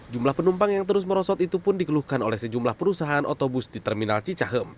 jumlah penumpang yang terus merosot itu pun dikeluhkan oleh sejumlah perusahaan otobus di terminal cicahem